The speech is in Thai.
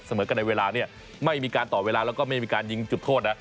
เสมอกันในเวลาเนี่ยไม่มีการต่อเวลาแล้วก็ไม่มีการยิงจุดโทษนะ